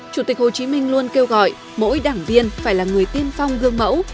chủ tịch hồ chí minh luôn kêu gọi mỗi đảng viên phải là người tiên phong gương mẫu